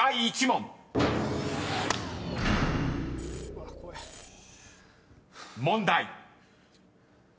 ［問題］